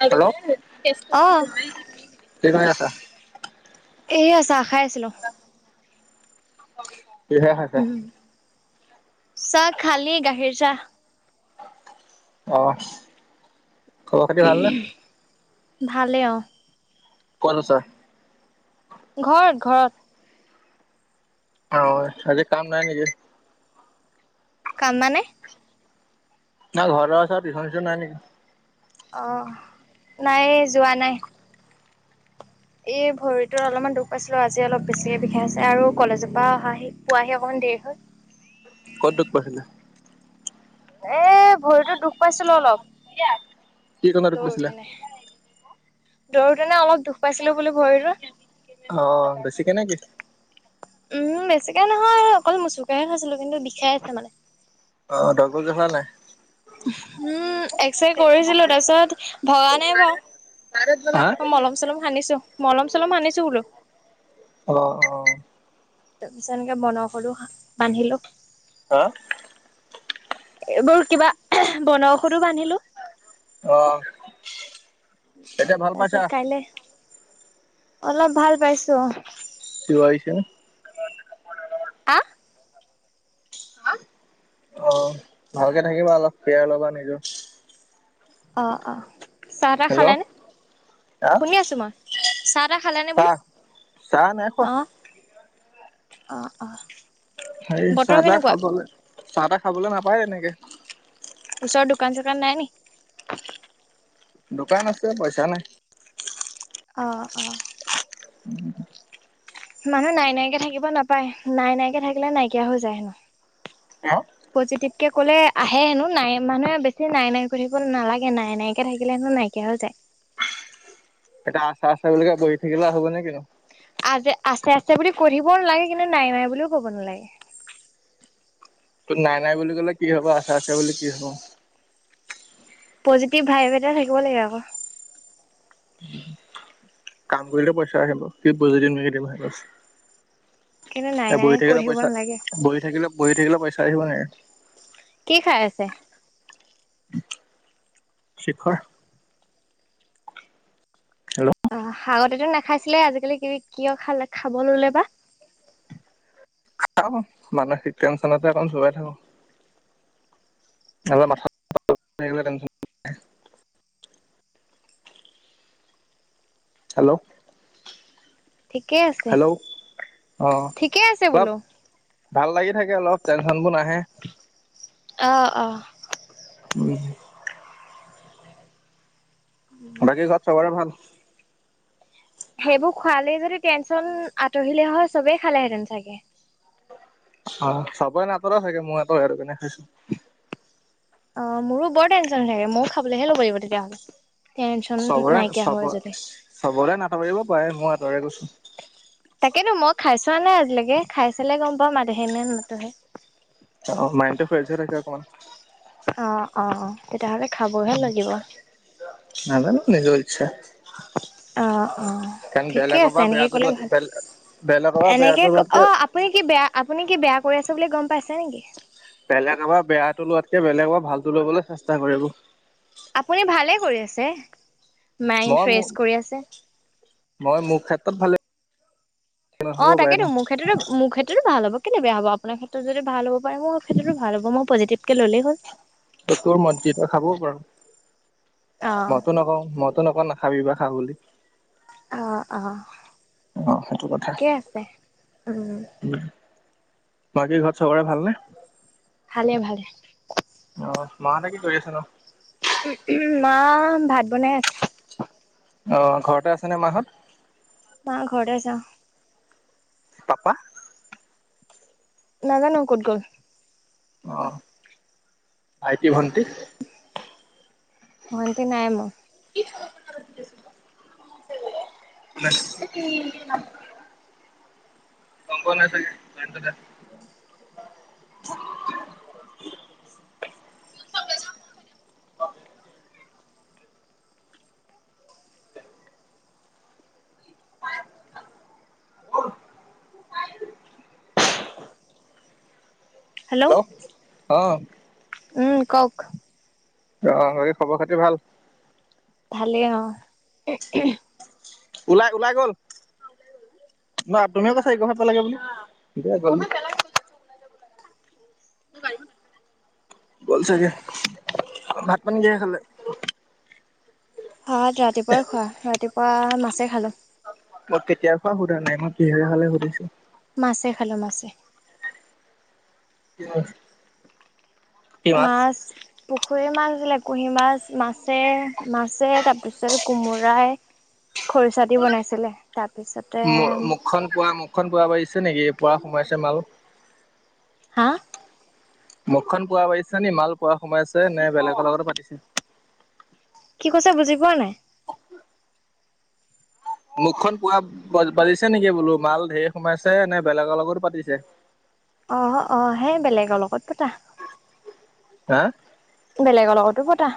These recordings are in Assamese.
হেল্ল, অহ কি কৰি আছা? এয়া চাহ আ খাই আছিলো। কিহেৰে সতে উম চাহ খালী গাখীৰ চাহ অহ খবৰ খাতি ভাল নে? ভালে অ ক নছ ঘৰত ঘৰত অ আজ কাম নাই নিজে কাম মানে না ঘৰৰ চ পিছন চিছন ননি অ নাই যোৱা নাই এই ভৰিতত অলপমান দুখ পাইছিলো আজি অলপ বেছিকে বিষাই আছে আৰু কলেজৰ পৰা অহি পোৱাহি অকণমান দেহ কতটোত পাইছিলে এ ভৰিতো দুখ পাইছিলো অলপ কি কক বছিলে দৌৰোতেনে দৌৰোতেনে অলপ দুখ পাইছিলো বুলি ভৰি ৰো অ' বেছিকে নেকি? উম বেছিকে নহয় অকল মোচোকাহে খাইছিলো কিন্তু বিষাই আছে মানে। অ দগ জহা নাই। উম এক্সৰে কৰিছিলো তাৰপিছত ভগা নাই বাৰ হা? অ মলম চলম সানিছো, মলম চলম সানিছো বোলো। অ' অ' তাৰ পিছত এনেকে বনঔষধো বান্ধিলো। হা এইবোৰ কিবা বনঔষধো বান্ধিলো আহ তাৰছত কাইলে অলপ ভাল পাইছো চিঞৰিছে। হা অ ভালকে থাকিবা অলপ কেয়াৰ ল'বা নিজৰ অ অ চাহ তাহ হেল্ল', খালে নে হা? শুনি আছোঁ মই চাহ তাহ খালেনে বোলো চাহ? চাহ নাই খোৱা। অঁ অ আহ হে চাহ তাহ খাবলৈ চাহ তাহ খাবলৈ নাপায় এনেকে। উচত দ দুকান চ কাৰ নাই ন? দোকান আছে পইচা নাই। অঁ অঁ মানুহ নাই নাইকে থাকিব নাপায়, নাই নাইকে থাকিলে নাইকিয়া হৈ যায় হেনো। হা কে ক'লে আহে হেনো নাই মানুহে বেছি নাই নাইকৈ থাকিব নালাগে নাই নাইকৈ থাকিলে হেনো নাইকিয়া হৈ যায়। এটিয়া আচা আচা বুলি কৈ বহি থাকিলে হ'ব নে কিনো। আজ আছে আছে বুলি কৈ নালাগে, কিন্তু নাই নাই বুলিও ক'ব নালাগে। তোৰ নাই নাই বুলি ক'লে কি হ'ব আছে আছে বুলি কি হব। পজিটিভ ভাইভ এটা থাকিব লাগে আকৌ। কাম কৰিলে পইচা আহিব কি বজি দিকে দিম ভছ। কিন্তু নাই নাই বহি কৈ থাকিলে থাকিব পইচা নালাগে বহি থাকিলে বহি থাকিলে পইচা আহিব নেকি। কি খাই আছে? শিখৰ। হেল্ল'? অ আগতেতো নাখাইছিলে আজিকালি কিব কিয় খাল খাব ল'লে বা? মানসিক টেনচনতে অকন চবাই থাকো। লো [unintelligible] হেল্ল'? ঠিকে আছে হেল্ল' অ'অ' ঠিকে আছে অলপ বোলো ভাল লাগি থাকে অলপ, টেনচন বোৰ নাহে। অঁ অঁ ও' বাকী ঘৰত চবৰে ভাল? সেইবোৰ খোৱালেই যদি টেনশন আঁতৰিলে হয় চবেই খালেহেঁতেন চাগে। অ চবৰে নাটৰে চাগে মোৰ আতৰে কাৰনে খাইছো। অ' মোৰো বৰ টেনশ্যন হৈ থাকে, মইয়ো খাবলৈহে ল'ব লাগিব তেতিয়াহ'লে। টেনচন চবৰে নাইকিয়া চব হয় যদি চবৰে নাটৰিব পাৰে মই আঁতৰে গৈছো। তাকেতো মই খাই চোৱা নাই আজিলৈকে, খাই চালে গম পাম আতহে নে নাতৰহে। অ মাইণ্ডটো ফ্ৰেচ হৈ থাকে অকমান। অ' অ' অ' তেতিয়াহ'লে খাবহে লাগিব নাজানো নিজৰ ইচ্ছা। অ' অ' কাৰণ ঠিকে বেলেগৰ আছে পৰা এনেকে বেয়াটো ক'লে লোৱাত ভাল। বেলেগৰ পৰা এনেকে বেয়াটো লোৱাতকে অ আপুনি কি বেয়া আপুনি কি বেয়া কৰি আছে বুলি গম পাইছে নেকি? বেলেগমাৰ বেয়াটো লোৱাতকে বেলেগাৰ ভালতটো লবলৈ চেষ্টা কৰিব আপুনি ভালে কৰি আছে মই মাইড মোৰ ফ্ৰেছ কৰি আছে মই মোৰ ক্ষেত্ৰত ভালে অ নহ'বও পাৰে ন তাকেতো মোৰ ক্ষেত্ৰতো মোৰ ক্ষেত্ৰতো ভাল হ'ব কেনে বে হব আপোনাৰ ক্ষেত্ৰত য ভাল হ'ব পাৰে মোৰ ক্ষেত্ৰতো ভাল হব মই পজিটিভ কে ললেই হ'ল ত তোৰ মত যেত খাবও অ পাৰো মইো নকওঁ ম তেনেকুৱা নাখাবিবা খা বুলি অ' অ' অ সেইটো কথা ঠিকেই আছে, উম বাকীৰ ঘৰত চবৰে ভালনে? ভালে ভালে। অ মাহ'তে কি কৰি আছে নো? মা ভাত বনাই আছে। অ' ঘৰতে আছেনে মাহঁত? মা ঘৰে আছে অ' পাপা নাজানো ক'ত গ'ল দাবা ভাই কি ভনতি ভন্তি নাইম [unintelligible] [unintelligible] কম্প নাই চাগে জতে [unintelligible] [unintelligible] অ হেল্ল' অ উম কওক অ বেই খবৰ খাতি ভাল ভালেই অ ওলাই ওলাই গ'ল ন তুমিও কৈ চা গ ভ প লাগে বুলি গল ক গাল গল চাগে ভাত পানী কিহে খালে ভাত ৰাতিপুৱাই খোৱা ৰাতিপুৱা মাছে খালো মই কেতিয়াৰ পৰাোৱা সোধা নাই মই কিহীয়া খালে সুধিছো মাছে খালো মাছে কি মাছ পুখুৰী মাছ বিল কুহি মাছ মাছে মাছে তাৰ পিছত কোমোৰা খৰিচা দি বনাইছিলে তাৰপিছতে মুখখন পুৱা মুখখন পোৱা বাঢ়িছে নেকি পুৱা সোমাইছে মাল হা মুখখন পোৱা পাতিছো নি মাল পোৱা সোমাই আছে নে বেলেগৰ লগতো পাতিছে কি কৈছে বুজি পোৱা নাই মুখখন পোৱা বাজিছে নেকি বোলো মাল ঢেৰ সোমাইছে নে বেলেগৰ লগত পাতিছে আহ আহ সেই বেলেগৰ লগত পতা হা বেলেগৰ লগতো পতা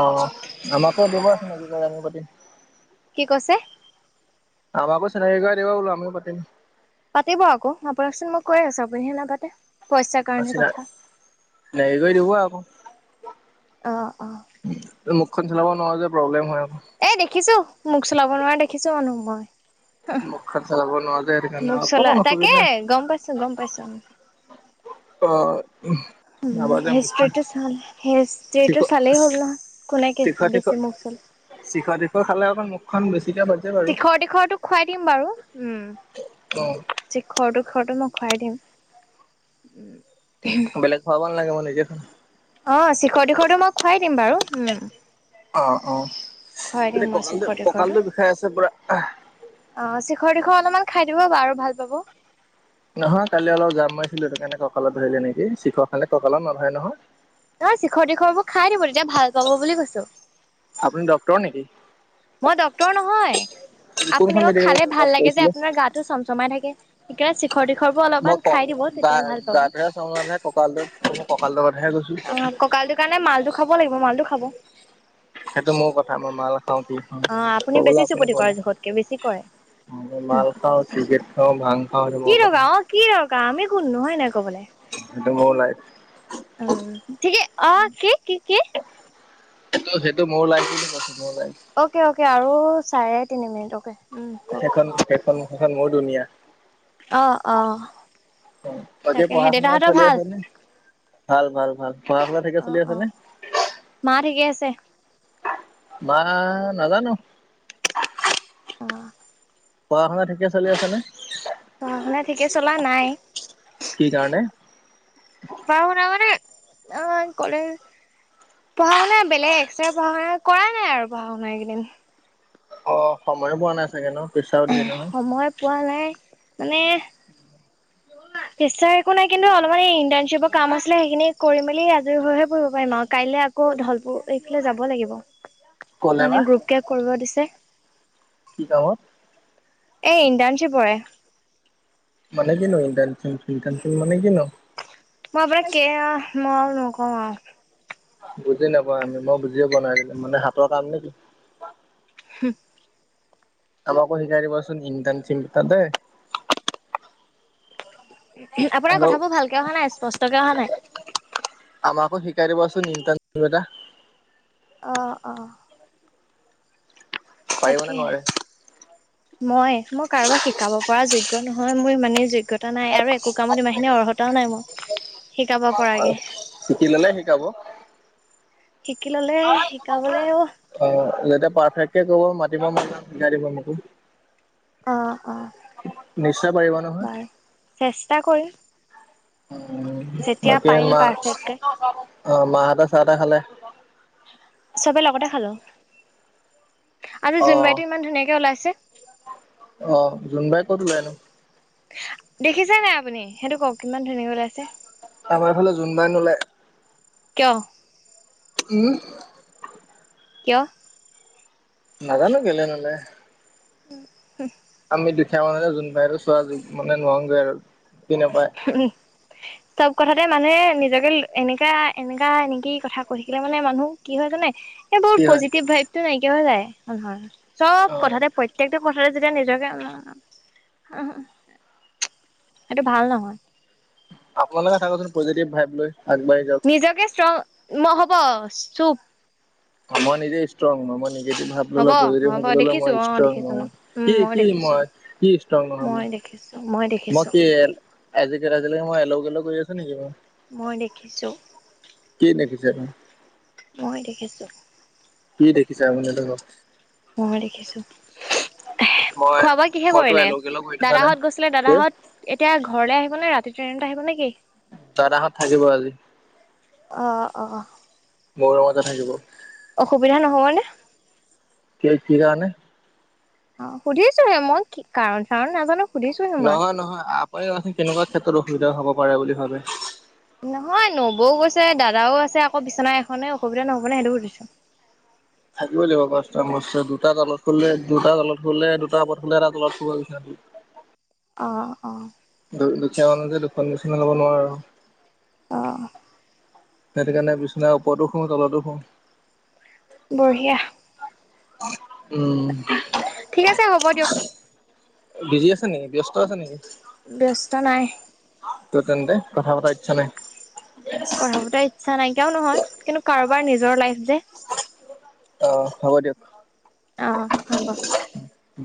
অ আমাকো দিব আছে নেকি ক আমি পাতিম কি কৈছে আমাকো চিনাকি কৰাই দিব বুলো, আমিও পাতিম। পাতিব আকৌ, আপোনাকচোন মই কৈ আছো, আপুনিহে নাপাতে। পইচাৰ কাৰণে কথা চিনাকি কৰি দিব আকৌ অ', অ'। [unintelligible] চলাব নোৱাৰো যে প্ৰব্লেম হয় আৰু। এ দেখিছো মোক চলাব নোৱাৰা দেখিছো মানুহ মই। মুখখন চলাব নোৱাৰো যে সেইটো কাৰণে মোক চলা অকমান তাকে, অসুবিধা গম পাইছো, গম পাইছো। অ', উম আবাজে হিষ্ট্ৰীটো চাল হিষ্ট্ৰীটো খ চালেই হ'ল নহয় কোনে শখীখ বেছি মোক চলায় শিখৰ শীখৰ খালে অককল মুখখন বেছি তীখৰ দীখৰো খুৱাই দিম বাৰু উম উম খৰটো খৰটো মই খুৱাই দিম বেলেগ খাব নালাগে মানে যে অ শিখৰ দিশটো মই খুৱাই দিম বাৰু উম অ অ খুৱাই দিম তেতিয়া মই কঁকালটো শিখৰ তিখৰটো কঁকালটোৰ বিষয়ে আছে পুৰা অলমান খাই দিব বা আৰু ভাল পাব নহয় কালি অলপ যাম মাৰছিলো, সেইটো কাৰণে কঁকালত ধৰিলে নেকি, শিখৰ খালে কঁকালত নধৰে নহয়। নহয়, শিখৰ তিখৰবোৰ খাই দিব, তেতিয়া ভাল পাব বুলি কৈছো। আপোনি ডক্টৰ নেকি? মই ডক্ট্ৰৰ নহয়, কোনখন আপুনি আকৌ মেডিকেল খালে পাছ ভাল লাগে যে, কৰিছিলে? আপোনাৰ গাটো চমচমাই থাকে। সেইকাৰণে শিখৰ তিখৰবোৰ মই অলপমান ক খাই দিব তেতিয়া ভাল পাব গা-গাতোহে, [unintelligible] কঁকালটো মই কঁকালটো কথাহে কৈছো। কঁকালটো কাৰণে মালটো খাব লাগিব, মালটো খাব। সেইটো মোৰ কথা, মই মাল খাওঁ কি অ', আপুনি খাওঁ ক'বলৈ বেছি চুপতি কোন? কৰে জোখতকে, বেছি কৰে। মই মাল খাওঁ, চিগেট খাওঁ, ভাং খাওঁ সেইটো কি মোৰ কথা দৰকাৰ অ', কি দৰকাৰ, আমি কোননো হয় নাই। কবলে, সেইটো মোৰ লাইফ। উ, ঠিকে, অ', কি কি কি? সটো সেইটো মোৰ লাইফ বুলি কৈছো। মোৰ লাইফ অকে অকে, আৰু চাৰে তিনি মিনিট অকে। উম কওক। সেইখন-সেইখন-সেইখন মোৰ দুনীয়া। অ অ তাকে তাকেহে পঢ়া শুনা দেউতাহঁতৰ চলি ভাল? আছে নে? ভাল ভাল ভাল, পঢ়া শুনা ঠিকে চলি আছে নে? এ মা নাজানো অ'। পঢ়া শুনা ঠিকে চলি আছে নে? পঢ়া শুনা ঠিকে চলা নাই। কি কাৰণে? পঢ়া শুনা মানে, অ', কৰে পঢ়া শুনা বেলেগ এক্সট্ৰা পঢ়া শুনা কৰা নাই আৰু পঢ়া শুনা এই কেইদিন। অ', সময়ো পোৱা নাই চাগে ন? পেচাও ধেৰ নহয় সময় পোৱা নাই মানে [inaudible] [unintelligible] একো নাই কিন্তু অলপমান এই ইণ্টাৰ্ণচিপৰ কাম আছিলে, সেইখিনি কৰি মেলি আজৰি হৈহে পঢ়িব পাৰিম আৰু কাইলৈ আকৌ ধলপুৰ এইফালে যাব লাগিব, ক'লে বা মানে গ্ৰুপকে কৰিব দিছে। কি কামত এই ইণ্টাৰ্ণচিপৰে। মানে কিনো [unintelligible] ইণ্টাৰ্ণচিপ মানে কিনো? মই আপোনাক কে মই আৰু নকওঁ আৰু। বুজি নাপাওঁ আমি, মই বুজিয়ে পোৱা নাই মানে হাতৰ কাম নেকি। আমাকো শিকাই দিবাচোন ইণ্টাৰ্ণ [unintelligible] দে। আপোনাৰ হেল্ল কথাবোৰ ভালকে অহা নাই, স্পষ্টকে অহা নাই। [unintelligible] ইণ্টাৰ্ণচিপ এটা। অ অ পাৰিব নে তাকে নোৱাৰে মই মই কাৰোবাৰ শিকাব পৰা যোগ্য় নহয় হয় মই মানে যোগ অভিজ্ঞতা নাই আৰু একো কামত ইমানখিনি অৰ্হতাও নাই মোৰ শিকাব পৰাকে দ লে শিকাব শিকি ললে শিকাবলেও অ যেতিয়া পাৰফেক্টে কব মা গম ম অ অ পাৰিব নহয় বাৰু চেষ্টা কৰিম যেতিয়া বাকী পাৰিম মা, পাৰফেক্টকে অ', মাহঁতে চাহ তাহ খালে? চবে লগতে খালো আৰু অ জোনবাইটো ইমান ধুনীয়াকে ওলাইছে। অ', জোনবাই ক'ত উলাই নু? দেখিছে নাই আপুনি, সেইটো কওক কিমান ধুনীয়াকে ওলাইছে। আমাৰ ফালে জোনবাই নুলাই। কিয়? উম। কিয়? নাজানো কেলে নাযায় উম হু আমি দুখীয়া মানহ নে যোনবাই চোৱা যোগ মানে নহওঁগৈ আৰু বিনে প চব কথাতে মানুহে নিজকে এনেককা এনেককা এনেকি কথা কৈ থাকিলে মানে মানুহ কি হয় জানে এইেই বহুত কি হয় পজিটিভ ভাইভতটো নাইকিয়া হৈ যায় মানুহৰ চব অ কথাতে প্ৰত্যেকটো কথাটো যেতিয়া নিজকে সেইটো ভাল নহয় আপোনালোকে থাককচোন পজেটিভ ভাইপ লৈ আগবাঢ়ি যাওক নিজকে শ্ৰংহ'ব চুপ আ মই নিজে ষ্ট্ৰং ভ হ'ব লি হ'ব ভ ল দেখিছো অ মইষ্টং দেখিছো নহয় মই উম কি কি মই কিষ্টং নহয় মই দেখিছোঁ মই দেখিছোঁ আজিলৈকে মই এল গেল কৰি আছো নেকি মই মই দেখিছোঁ কি দেখিছে আপুনি? মই দেখিছোঁ কি দেখিছা আপুনিহঁ মই দেখিছো মই খোৱা বোৱা কিহে মইতো কৰিলে এলৌ গেলৌ কৰি থকা নাই দাদাহঁত গৈছিলে দাদাহঁত এতিয়া ঘৰলে আহিব নে ৰাতি ট্ৰেইনটা আহিব নে কি দাদাহঁত থাকিব আজি অ', অ' মোৰ ৰূমতে থাকিব। অসুবিধা নহবনে? ক কি কাৰানে? অ' সুধিছো হে মই কি কাৰণ চাৰণ নাজানো। সুধিছোহে মই। নহয় নহয় আপাৰ মে কেনেকুৱা ক্ষেত্ৰত অসুবিধা হ'ব পাৰে বুলি ভাবে? নহয় নবৌও গৈছে, দাদাও আছে আকৌ বিচনা এখনে অসুবিধা নহব নে সেইটো সুধিছো। [unintelligible] থাকিবই লাগিব কষ্টা মষ্ট দুটা তলত শুলে দুটা তলত শুলে দুটা ওপৰত অ' অঁ', অঁ' দুখীয়া মানুহ যে দুখন নিচি ল'ব নোৱাৰে আৰু অঁ' সেইটো কাৰণে বিচনা ওপৰতো শুওঁ তলতো শুওঁ। বঢ়িয়া। অ' ঠিক আছে হ'ব দিয়ক। বিজি আছে নেকি দিয়া চুন ব্যস্ত নাই। ত' তেন্তে কথা পতা ইচ্ছা নাই? কথা পতাৰ ইচ্ছা নাইকিয়াও নহয়, কিন্তু কাৰোবাৰ নিজৰ লাইফ যে। অ' হ'ব দিয়ক। অ' হ'ব। হ।